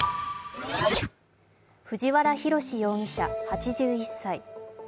藤原宏容疑者８１歳。